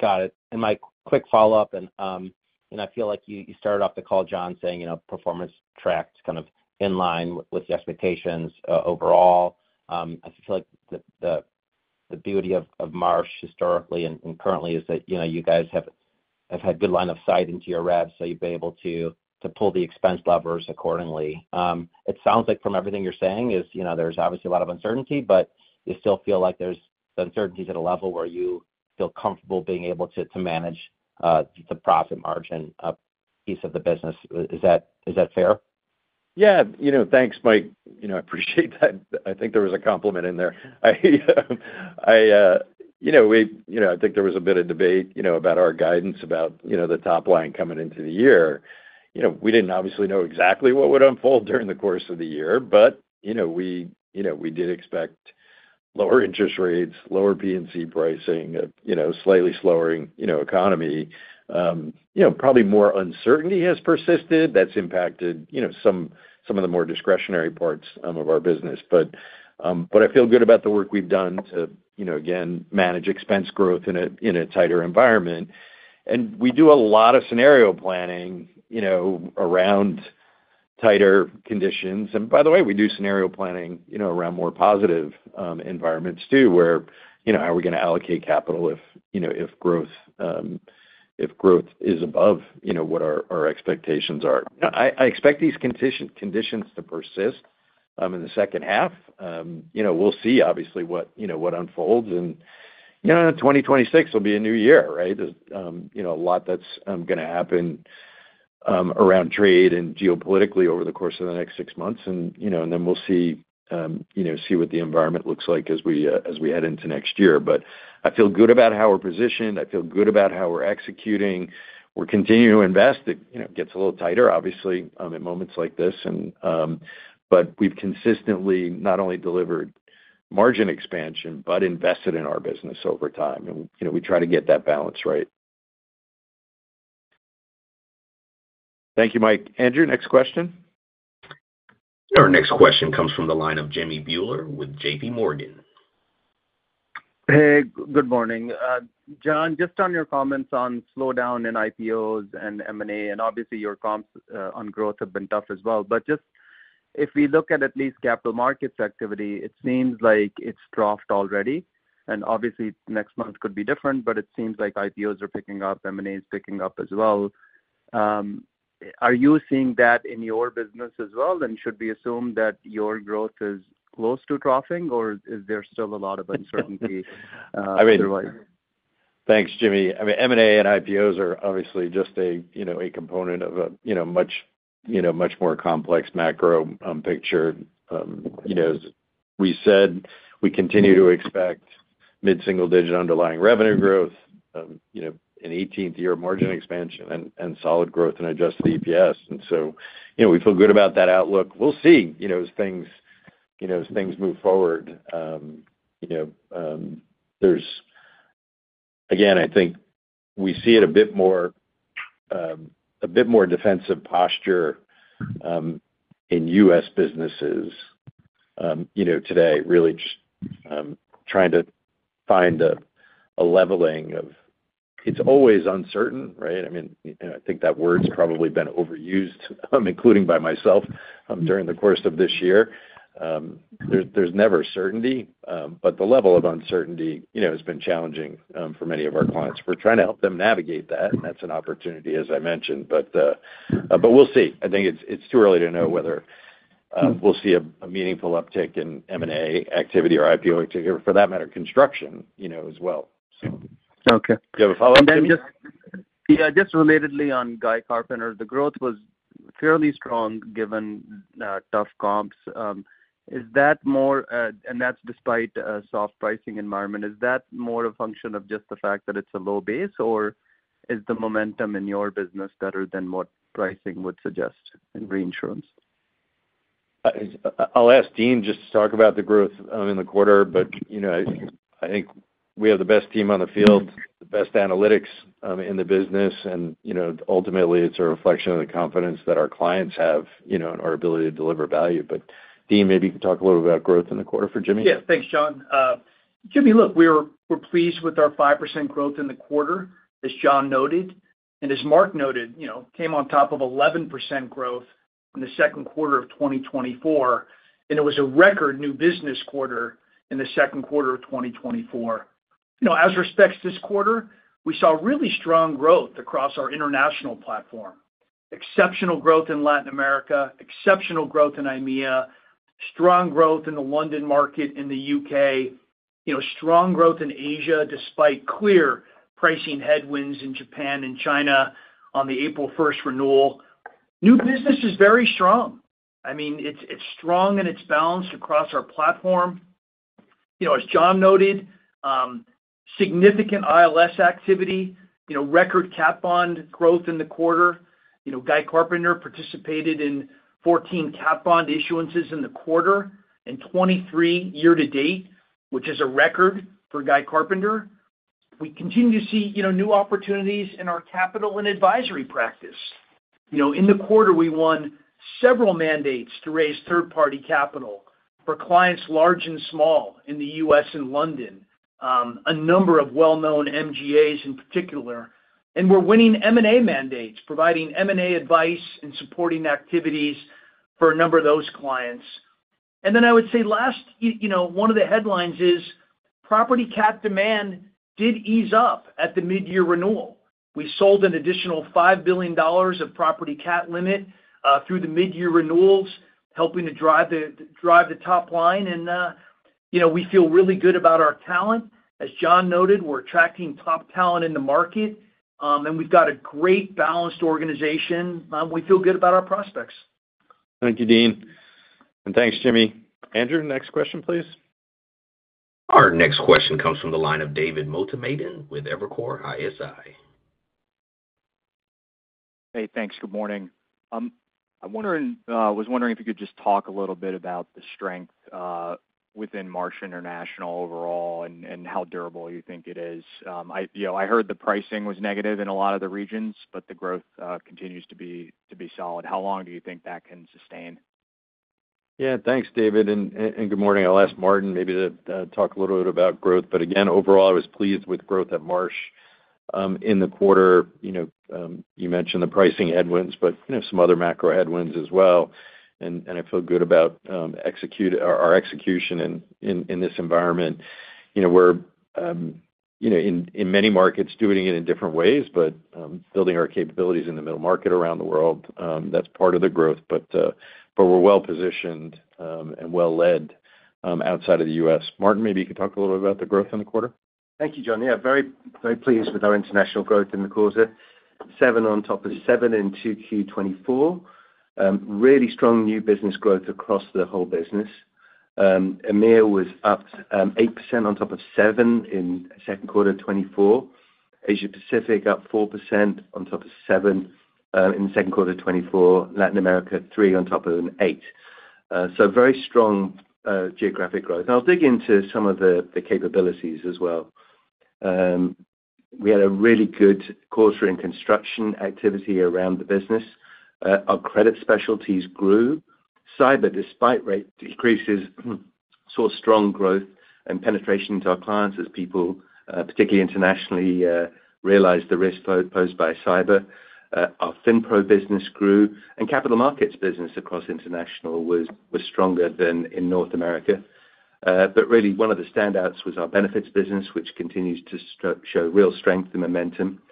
Speaker 6: Got it. And my quick follow-up, and I feel like you started off the call, John, saying performance tracked kind of in line with the expectations overall. I feel like the beauty of Marsh historically and currently is that you guys have had good line of sight into your rev, so you've been able to pull the expense levers accordingly. It sounds like from everything you're saying is there's obviously a lot of uncertainty, but you still feel like there's uncertainties at a level where you feel comfortable being able to manage the profit margin piece of the business. Is that fair?
Speaker 2: Yeah. Thanks, Mike. I appreciate that. I think there was a compliment in there. I think there was a bit of debate about our guidance about the top line coming into the year. We didn't obviously know exactly what would unfold during the course of the year, but we did expect lower interest rates, lower P&C pricing, a slightly slowing economy. Probably more uncertainty has persisted. That's impacted some of the more discretionary parts of our business. But I feel good about the work we've done to, again, manage expense growth in a tighter environment. And we do a lot of scenario planning around tighter conditions. And by the way, we do scenario planning around more positive environments, too, where how are we going to allocate capital if growth is above what our expectations are. I expect these conditions to persist in the second half. We'll see, obviously, what unfolds. And in 2026, it'll be a new year, right? A lot that's going to happen around trade and geopolitically over the course of the next six months. And then we'll see what the environment looks like as we head into next year. But I feel good about how we're positioned. I feel good about how we're executing. We're continuing to invest. It gets a little tighter, obviously, in moments like this. But we've consistently not only delivered margin expansion, but invested in our business over time. And we try to get that balance right. Thank you, Mike. Andrew, next question.
Speaker 1: Our next question comes from the line of Jimmy Bhullar with JP Morgan.
Speaker 7: Hey, good morning. John, just on your comments on slowdown in IPOs and M&A, and obviously your comps on growth have been tough as well. But just if we look at least capital markets activity, it seems like it's dropped already. And obviously, next month could be different, but it seems like IPOs are picking up, M&A is picking up as well. Are you seeing that in your business as well? And should we assume that your growth is close to troughing, or is there still a lot of uncertainty?
Speaker 2: Thanks, Jimmy. I mean, M&A and IPOs are obviously just a component of a much more complex macro picture. As we said, we continue to expect mid-single-digit underlying revenue growth, an eighth-year margin expansion and solid growth in adjusted EPS. And so we feel good about that outlook. We'll see as things move forward. Again, I think we see a bit more defensive posture in U.S. businesses today, really just trying to find a leveling off. It's always uncertain, right? I mean, I think that word's probably been overused, including by myself, during the course of this year. There's never certainty, but the level of uncertainty has been challenging for many of our clients. We're trying to help them navigate that. And that's an opportunity, as I mentioned. But we'll see. I think it's too early to know whether we'll see a meaningful uptick in M&A activity or IPO activity, or for that matter, construction as well. Do you have a follow-up, Andrew?
Speaker 7: Yeah, just relatedly on Guy Carpenter, the growth was fairly strong given tough comps. Is that more, and that's despite a soft pricing environment, is that more a function of just the fact that it's a low base, or is the momentum in your business better than what pricing would suggest in reinsurance?
Speaker 2: I'll ask Dean just to talk about the growth in the quarter, but I think we have the best team on the field, the best analytics in the business. And ultimately, it's a reflection of the confidence that our clients have in our ability to deliver value. But Dean, maybe you could talk a little bit about growth in the quarter for Jimmy?
Speaker 8: Yeah, thanks, John. Jimmy, look, we're pleased with our 5% growth in the quarter, as John noted. And as Mark noted, came on top of 11% growth in the second quarter of 2024. And it was a record new business quarter in the second quarter of 2024. As respects to this quarter, we saw really strong growth across our international platform. Exceptional growth in Latin America, exceptional growth in EMEA, strong growth in the London market in the U.K., strong growth in Asia despite clear pricing headwinds in Japan and China on the April 1st renewal. New business is very strong. I mean, it's strong and it's balanced across our platform. As John noted. Significant ILS activity, record CAT bond growth in the quarter. Guy Carpenter participated in 14 CAT bond issuances in the quarter and 23 year-to-date, which is a record for Guy Carpenter. We continue to see new opportunities in our capital and advisory practice. In the quarter, we won several mandates to raise third-party capital for clients large and small in the U.S. and London. A number of well-known MGAs in particular. And we're winning M&A mandates, providing M&A advice and supporting activities for a number of those clients. And then I would say last, one of the headlines is property CAT demand did ease up at the mid-year renewal. We sold an additional $5 billion of property CAT limit through the mid-year renewals, helping to drive the top line. And we feel really good about our talent. As John noted, we're attracting top talent in the market. And we've got a great balanced organization. We feel good about our prospects.
Speaker 2: Thank you, Dean. And thanks, Jimmy. Andrew, next question, please.
Speaker 1: Our next question comes from the line of David Motemaden with Evercore ISI.
Speaker 9: Hey, thanks. Good morning. I was wondering if you could just talk a little bit about the strength within Marsh International overall and how durable you think it is. I heard the pricing was negative in a lot of the regions, but the growth continues to be solid. How long do you think that can sustain?
Speaker 2: Yeah, thanks, David. And good morning. I'll ask Martin maybe to talk a little bit about growth. But again, overall, I was pleased with growth at Marsh in the quarter. You mentioned the pricing headwinds, but some other macro headwinds as well. And I feel good about our execution in this environment. We're in many markets doing it in different ways, but building our capabilities in the middle market around the world. That's part of the growth. But we're well-positioned and well-led outside of the U.S. Martin, maybe you could talk a little bit about the growth in the quarter.
Speaker 10: Thank you, John. Yeah, very pleased with our international growth in the quarter. Seven on top of seven in Q2 2024. Really strong new business growth across the whole business. EMEA was up 8% on top of seven in the second quarter of 2024. Asia-Pacific up 4% on top of seven in the second quarter of 2024. Latin America, three on top of an eight. So very strong geographic growth. And I'll dig into some of the capabilities as well. We had a really good quarter in construction activity around the business. Our credit specialties grew. Cyber, despite rate decreases, saw strong growth and penetration into our clients as people, particularly internationally, realized the risk posed by cyber. Our FinPro business grew. And capital markets business across international was stronger than in North America. But really, one of the standouts was our benefits business, which continues to show real strength and momentum.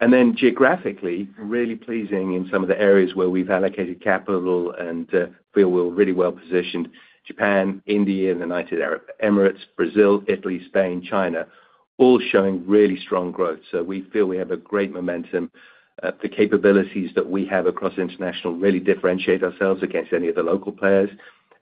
Speaker 10: And then geographically, really pleasing in some of the areas where we've allocated capital and feel we're really well-positioned: Japan, India, and the United Arab Emirates, Brazil, Italy, Spain, China, all showing really strong growth. So we feel we have a great momentum. The capabilities that we have across international really differentiate ourselves against any of the local players.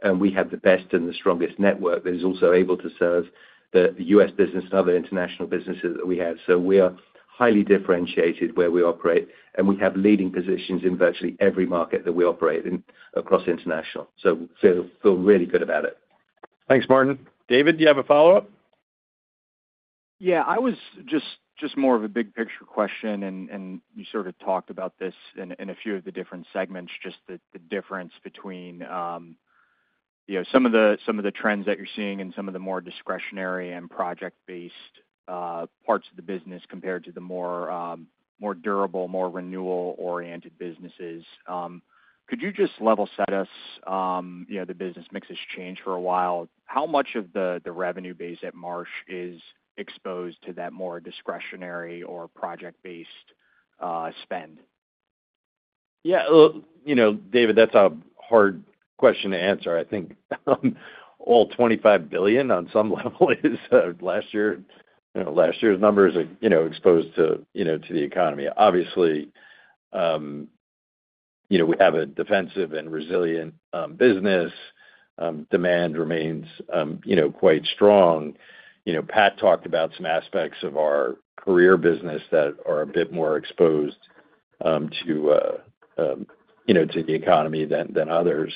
Speaker 10: And we have the best and the strongest network that is also able to serve the U.S. business and other international businesses that we have. So we are highly differentiated where we operate. And we have leading positions in virtually every market that we operate across international. So feel really good about it.
Speaker 2: Thanks, Martin. David, do you have a follow-up?
Speaker 9: Yeah, I was just more of a big picture question. And you sort of talked about this in a few of the different segments, just the difference between some of the trends that you're seeing and some of the more discretionary and project-based parts of the business compared to the more durable, more renewal-oriented businesses. Could you just level set us? The business mix has changed for a while. How much of the revenue base at Marsh is exposed to that more discretionary or project-based spend?
Speaker 2: Yeah. David, that's a hard question to answer. I think. All $25 billion on some level is last year. Last year's number is exposed to the economy. Obviously. We have a defensive and resilient business. Demand remains quite strong. Pat talked about some aspects of our career business that are a bit more exposed to the economy than others.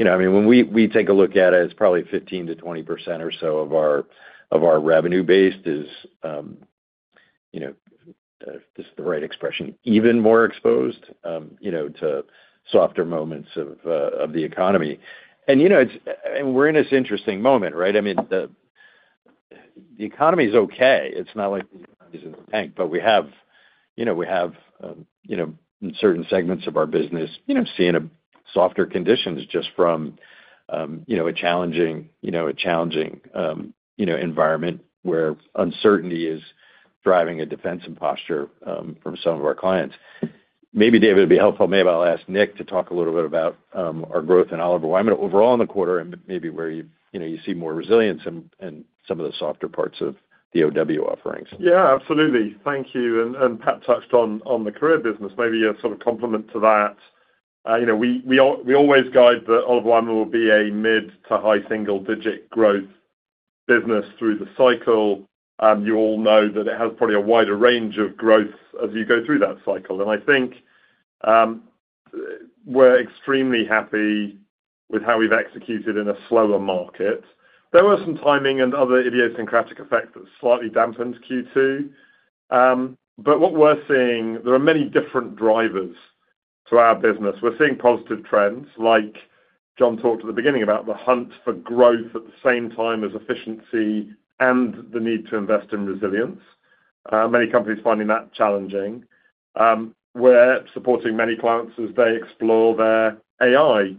Speaker 2: I mean, when we take a look at it, it's probably 15%-20% or so of our revenue base is. This is the right expression, even more exposed to softer moments of the economy. And we're in this interesting moment, right? I mean. The economy is okay. It's not like it's in the tank, but we have certain segments of our business seeing softer conditions just from a challenging environment where uncertainty is driving a defensive posture from some of our clients. Maybe, David, it'd be helpful. Maybe I'll ask Nick to talk a little bit about our growth and all of our overall in the quarter and maybe where you see more resilience and some of the softer parts of the OW offerings.
Speaker 11: Yeah, absolutely. Thank you. And Pat touched on the career business. Maybe a sort of complement to that. We always guide that all of them will be a mid to high single-digit growth business through the cycle. You all know that it has probably a wider range of growth as you go through that cycle. And I think we're extremely happy with how we've executed in a slower market. There were some timing and other idiosyncratic effects that slightly dampened Q2. But what we're seeing, there are many different drivers to our business. We're seeing positive trends, like John talked at the beginning about the hunt for growth at the same time as efficiency and the need to invest in resilience. Many companies finding that challenging. We're supporting many clients as they explore their AI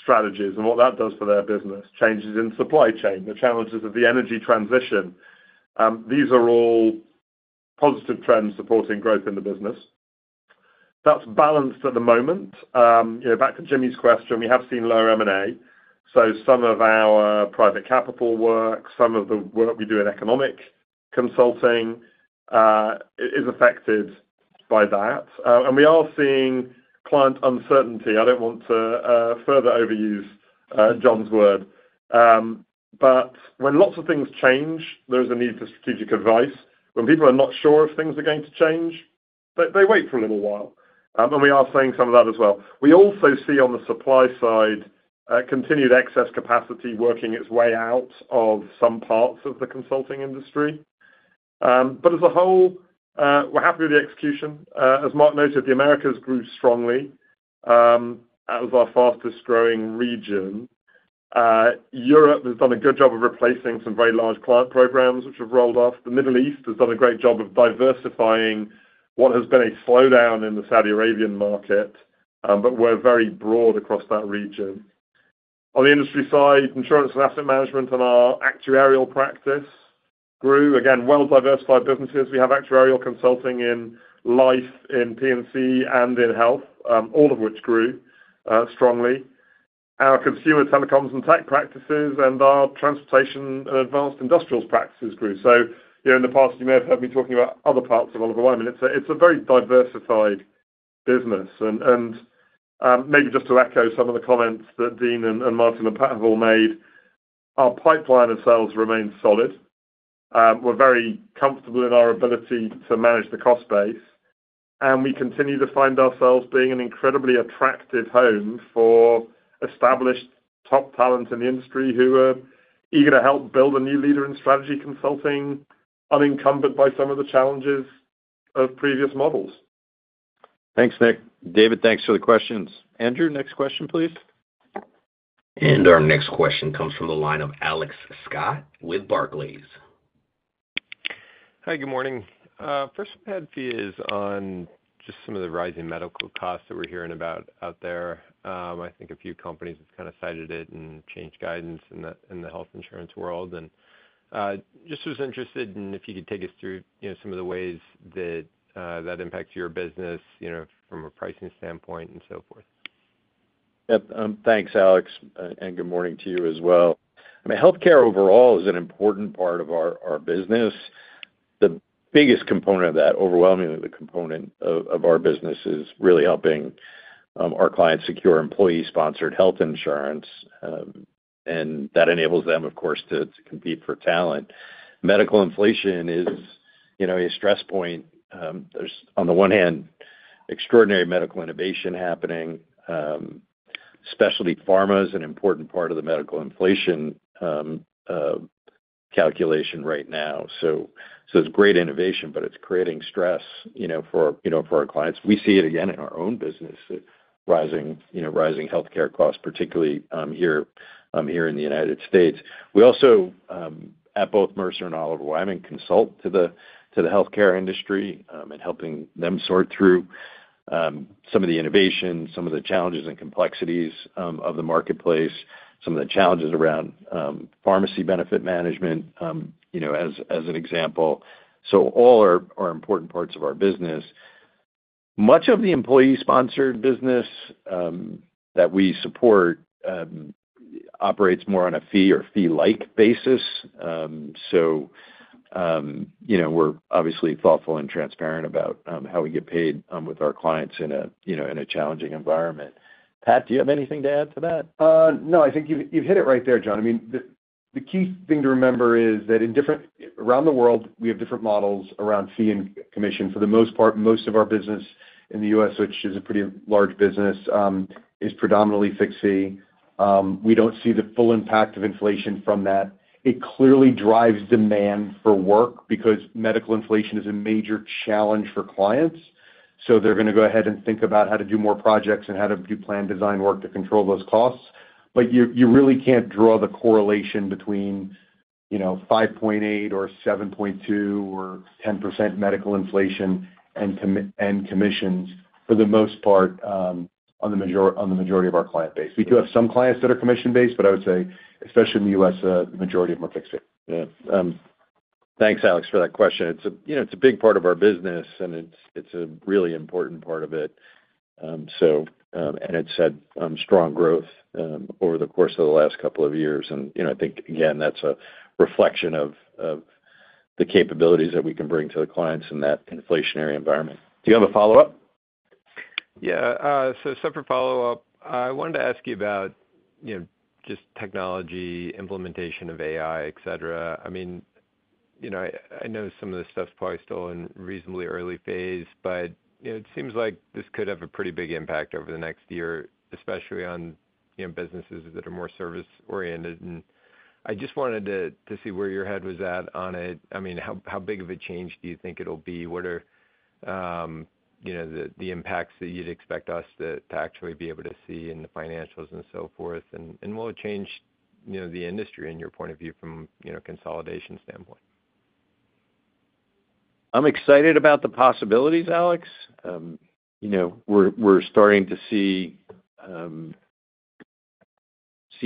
Speaker 11: strategies and what that does for their business, changes in supply chain, the challenges of the energy transition. These are all positive trends supporting growth in the business. That's balanced at the moment. Back to Jimmy's question, we have seen lower M&A. So some of our private capital work, some of the work we do in economic consulting is affected by that. And we are seeing client uncertainty. I don't want to further overuse John's word. But when lots of things change, there is a need for strategic advice. When people are not sure if things are going to change, they wait for a little while. And we are seeing some of that as well. We also see on the supply side continued excess capacity working its way out of some parts of the consulting industry. But as a whole, we're happy with the execution. As Mark noted, the Americas grew strongly as our fastest-growing region. Europe has done a good job of replacing some very large client programs, which have rolled off. The Middle East has done a great job of diversifying what has been a slowdown in the Saudi Arabian market. But we're very broad across that region. On the industry side, insurance and asset management and our actuarial practice grew. Again, well-diversified businesses. We have actuarial consulting in life in P&C and in health, all of which grew strongly. Our consumer telecoms and tech practices and our transportation and advanced industrials practices grew. So in the past, you may have heard me talking about other parts of all of alignment. It's a very diversified business. And maybe just to echo some of the comments that Dean and Martin and Pat have all made, our pipeline of sales remains solid. We're very comfortable in our ability to manage the cost base. And we continue to find ourselves being an incredibly attractive home for established top talent in the industry who are eager to help build a new leader in strategy consulting, unencumbered by some of the challenges of previous models.
Speaker 2: Thanks, Nick. David, thanks for the questions. Andrew, next question, please.
Speaker 1: Our next question comes from the line of Alex Scott with Barclays.
Speaker 12: Hi, good morning. First, my fear is on just some of the rising medical costs that we're hearing about out there. I think a few companies have kind of cited it and changed guidance in the health insurance world. Just was interested in if you could take us through some of the ways that impact your business from a pricing standpoint and so forth.
Speaker 2: Yep. Thanks, Alex. And good morning to you as well. I mean, healthcare overall is an important part of our business. The biggest component of that, overwhelmingly the component of our business, is really helping our clients secure employee-sponsored health insurance. And that enables them, of course, to compete for talent. Medical inflation is a stress point. There's, on the one hand, extraordinary medical innovation happening. Specialty pharma is an important part of the medical inflation calculation right now. So it's great innovation, but it's creating stress for our clients. We see it again in our own business, rising healthcare costs, particularly here in the United States. We also, at both Mercer and Oliver Wyman, consult to the healthcare industry and helping them sort through some of the innovations, some of the challenges and complexities of the marketplace, some of the challenges around pharmacy benefit management, as an example. So all are important parts of our business. Much of the employee-sponsored business that we support operates more on a fee or fee-like basis. So we're obviously thoughtful and transparent about how we get paid with our clients in a challenging environment. Pat, do you have anything to add to that?
Speaker 5: No, I think you've hit it right there, John. I mean, the key thing to remember is that around the world, we have different models around fee and commission. For the most part, most of our business in the U.S., which is a pretty large business, is predominantly fixed fee. We don't see the full impact of inflation from that. It clearly drives demand for work because medical inflation is a major challenge for clients. So they're going to go ahead and think about how to do more projects and how to do plan design work to control those costs. But you really can't draw the correlation between 5.8%, 7.2%, or 10% medical inflation and commissions, for the most part, on the majority of our client base. We do have some clients that are commission-based, but I would say, especially in the U.S., the majority of them are fixed fee.
Speaker 2: Yeah. Thanks, Alex, for that question. It's a big part of our business, and it's a really important part of it. And it's had strong growth over the course of the last couple of years. And I think, again, that's a reflection of the capabilities that we can bring to the clients in that inflationary environment. Do you have a follow-up?
Speaker 12: Yeah. So separate follow-up. I wanted to ask you about just technology, implementation of AI, etc. I mean. I know some of this stuff's probably still in a reasonably early phase, but it seems like this could have a pretty big impact over the next year, especially on businesses that are more service-oriented. And I just wanted to see where your head was at on it. I mean, how big of a change do you think it'll be? What are the impacts that you'd expect us to actually be able to see in the financials and so forth? And what would change the industry in your point of view from a consolidation standpoint?
Speaker 2: I'm excited about the possibilities, Alex. We're starting to see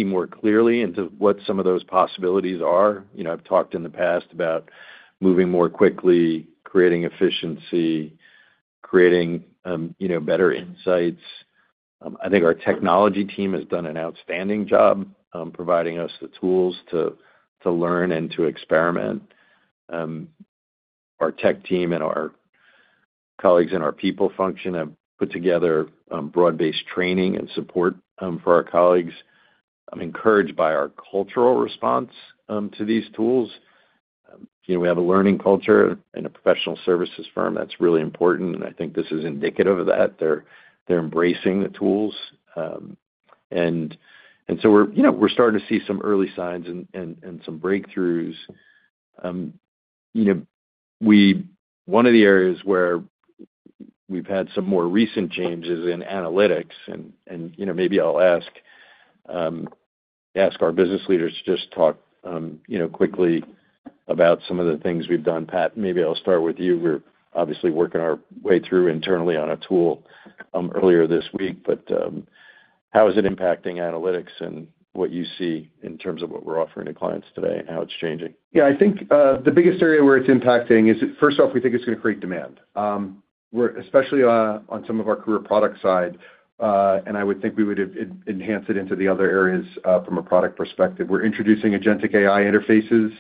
Speaker 2: more clearly into what some of those possibilities are. I've talked in the past about moving more quickly, creating efficiency, creating better insights. I think our technology team has done an outstanding job providing us the tools to learn and to experiment. Our tech team and our colleagues and our people function have put together broad-based training and support for our colleagues. I'm encouraged by our cultural response to these tools. We have a learning culture in a professional services firm. That's really important, and I think this is indicative of that. They're embracing the tools, and so we're starting to see some early signs and some breakthroughs. One of the areas where we've had some more recent changes in analytics, and maybe I'll ask our business leaders to just talk quickly about some of the things we've done. Pat, maybe I'll start with you. We're obviously working our way through internally on a tool earlier this week, but how is it impacting analytics and what you see in terms of what we're offering to clients today and how it's changing?
Speaker 5: Yeah, I think the biggest area where it's impacting is, first off, we think it's going to create demand. Especially on some of our career product side. And I would think we would enhance it into the other areas from a product perspective. We're introducing agentic AI interfaces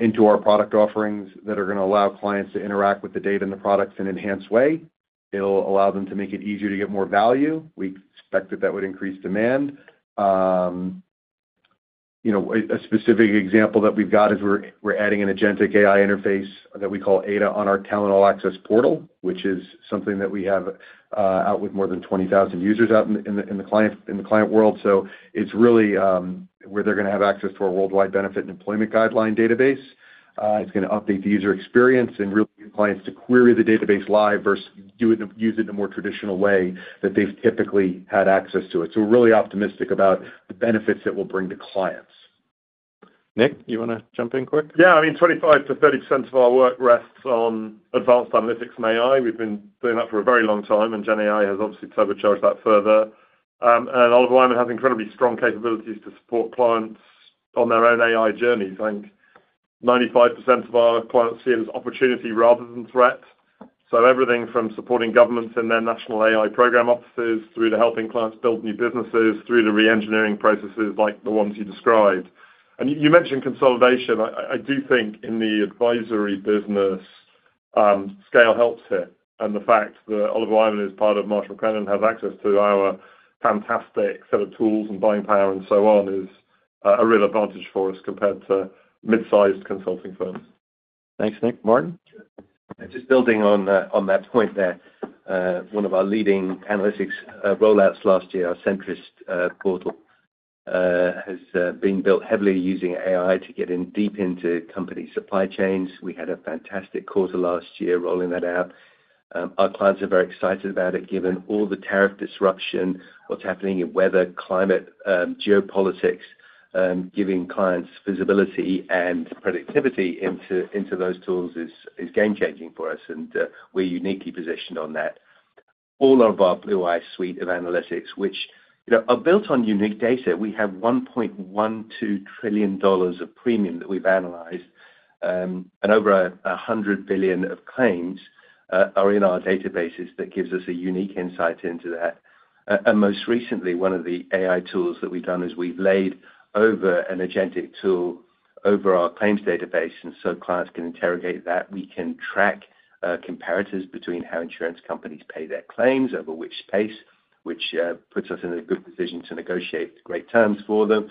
Speaker 5: into our product offerings that are going to allow clients to interact with the data and the products in an enhanced way. It'll allow them to make it easier to get more value. We expect that that would increase demand. A specific example that we've got is we're adding an agentic AI interface that we call ADA on our Tylenol Access portal, which is something that we have out with more than 20,000 users out in the client world. So it's really where they're going to have access to our Worldwide Benefit and Employment Guideline database. It's going to update the user experience and really get clients to query the database live versus using the more traditional way that they've typically had access to it. So we're really optimistic about the benefits it will bring to clients.
Speaker 2: Nick, you want to jump in quick?
Speaker 11: Yeah, I mean, 25%-30% of our work rests on advanced analytics and AI. We've been doing that for a very long time, and GenAI has obviously turbocharged that further. Oliver Wyman has incredibly strong capabilities to support clients on their own AI journey. I think 95% of our clients see it as opportunity rather than threat. Everything from supporting governments and their national AI program offices through to helping clients build new businesses through the re-engineering processes like the ones you described. You mentioned consolidation. I do think in the advisory business scale helps here. The fact that Oliver Wyman is part of Marsh & McLennan and has access to our fantastic set of tools and buying power and so on is a real advantage for us compared to mid-sized consulting firms.
Speaker 2: Thanks, Nick. Martin?
Speaker 10: Just building on that point there, one of our leading analytics rollouts last year, our Centrist portal, has been built heavily using AI to get in deep into company supply chains. We had a fantastic quarter last year rolling that out. Our clients are very excited about it given all the tariff disruption, what's happening in weather, climate, geopolitics, giving clients visibility and productivity into those tools is game-changing for us. And we're uniquely positioned on that. All of our Blue Eye suite of analytics, which are built on unique data. We have $1.12 trillion of premium that we've analyzed. And over $100 billion of claims are in our databases that gives us a unique insight into that. And most recently, one of the AI tools that we've done is we've laid over an agentic tool over our claims database so clients can interrogate that. We can track comparisons between how insurance companies pay their claims, over which space, which puts us in a good position to negotiate great terms for them.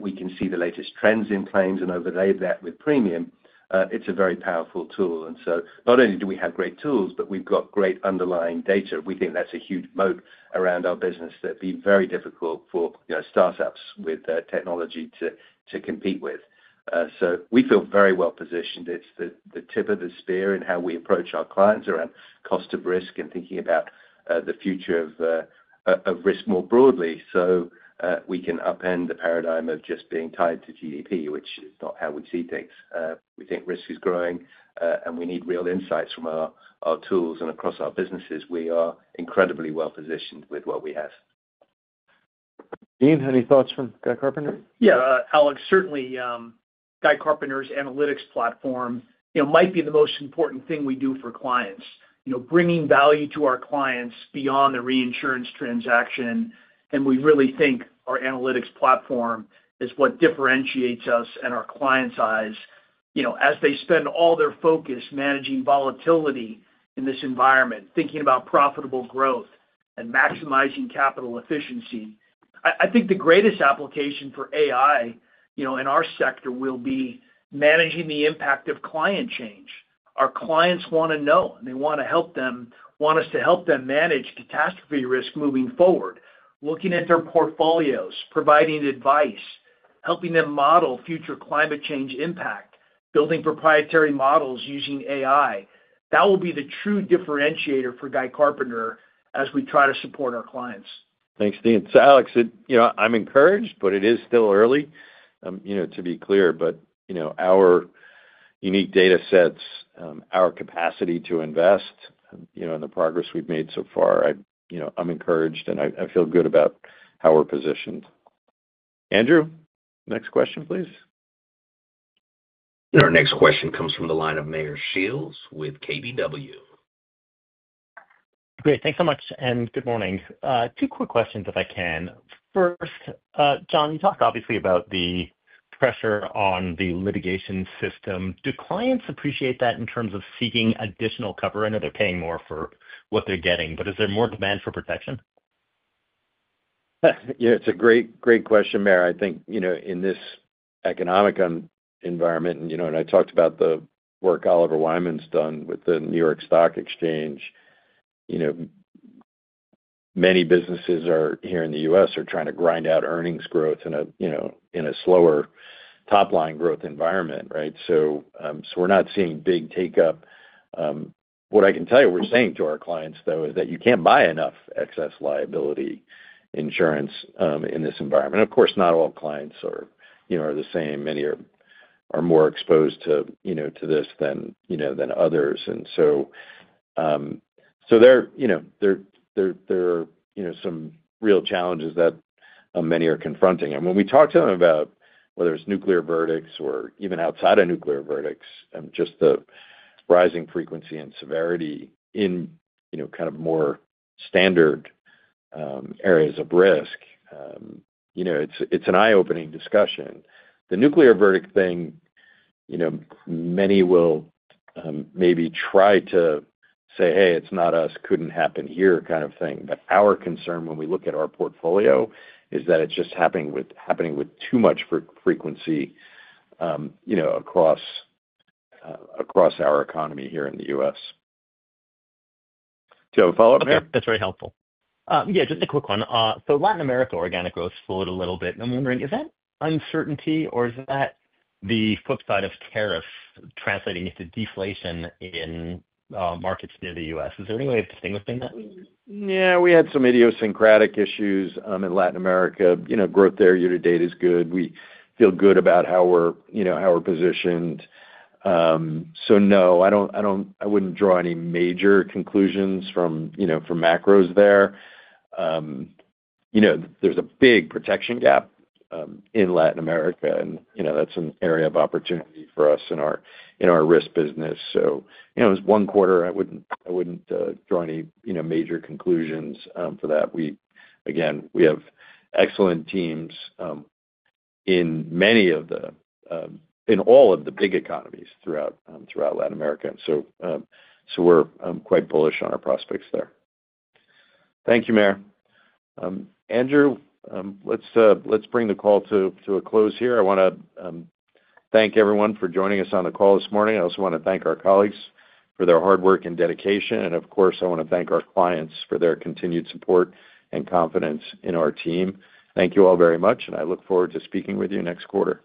Speaker 10: We can see the latest trends in claims and overlay that with premium. It's a very powerful tool. And so not only do we have great tools, but we've got great underlying data. We think that's a huge moat around our business that would be very difficult for startups with technology to compete with. So we feel very well positioned. It's the tip of the spear in how we approach our clients around cost of risk and thinking about the future of risk more broadly so we can upend the paradigm of just being tied to GDP, which is not how we see things. We think risk is growing, and we need real insights from our tools and across our businesses. We are incredibly well positioned with what we have.
Speaker 2: Dean, any thoughts from Guy Carpenter?
Speaker 8: Yeah, Alex, certainly. Guy Carpenter's analytics platform might be the most important thing we do for clients, bringing value to our clients beyond the reinsurance transaction, and we really think our analytics platform is what differentiates us and our clients' eyes as they spend all their focus managing volatility in this environment, thinking about profitable growth and maximizing capital efficiency. I think the greatest application for AI in our sector will be managing the impact of climate change. Our clients want to know, want us to help them manage catastrophe risk moving forward, looking at their portfolios, providing advice, helping them model future climate change impact, building proprietary models using AI. That will be the true differentiator for Guy Carpenter as we try to support our clients.
Speaker 2: Thanks, Dean. So Alex, I'm encouraged, but it is still early. To be clear, but our unique data sets, our capacity to invest. And the progress we've made so far, I'm encouraged, and I feel good about how we're positioned. Andrew, next question, please.
Speaker 1: Our next question comes from the line of Meyer Shields with KBW.
Speaker 13: Great. Thanks so much. And good morning. Two quick questions if I can. First, John, you talked obviously about the pressure on the litigation system. Do clients appreciate that in terms of seeking additional cover? I know they're paying more for what they're getting, but is there more demand for protection?
Speaker 2: Yeah, it's a great question, Meyer. I think in this economic environment, and I talked about the work Oliver Wyman's done with the New York Stock Exchange. Many businesses here in the U.S. are trying to grind out earnings growth in a slower top-line growth environment, right? So we're not seeing big take-up. What I can tell you, we're saying to our clients, though, is that you can't buy enough excess liability insurance in this environment. Of course, not all clients are the same. Many are more exposed to this than others. And so there are some real challenges that many are confronting. And when we talk to them about whether it's nuclear verdicts or even outside of nuclear verdicts, just the rising frequency and severity in kind of more standard areas of risk. It's an eye-opening discussion. The nuclear verdict thing. Many will maybe try to say, "Hey, it's not us, couldn't happen here," kind of thing. But our concern when we look at our portfolio is that it's just happening with too much frequency across our economy here in the U.S. Do you have a follow-up, Meyer?
Speaker 13: That's very helpful. Yeah, just a quick one. So Latin America organic growth slowed a little bit. And I'm wondering, is that uncertainty or is that the flip side of tariffs translating into deflation in markets near the U.S.? Is there any way of distinguishing that?
Speaker 2: Yeah, we had some idiosyncratic issues in Latin America. Growth there year to date is good. We feel good about how we're positioned. So no, I wouldn't draw any major conclusions from macros there. There's a big protection gap in Latin America, and that's an area of opportunity for us in our risk business. So it was one quarter. I wouldn't draw any major conclusions for that. Again, we have excellent teams in all of the big economies throughout Latin America. So we're quite bullish on our prospects there. Thank you, Mayor. Andrew, let's bring the call to a close here. I want to thank everyone for joining us on the call this morning. I also want to thank our colleagues for their hard work and dedication. And of course, I want to thank our clients for their continued support and confidence in our team. Thank you all very much, and I look forward to speaking with you next quarter.